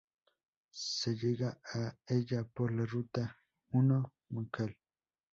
Se llega a ella por la Ruta I “Mcal.